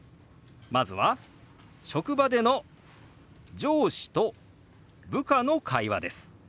まずは職場での上司と部下の会話です。